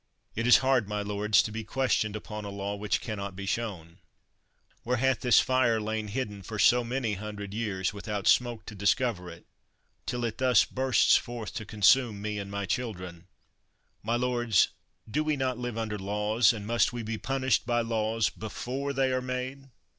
It is hard, my lords, to be questioned upon a law which can not be shown! Where hath this fire lain hid for so many hundred years, without smoke to discover it, till it thus bursts forth to consume me and my children ? My lords, do we not live under laws, and must we be pun ished by laws before they are made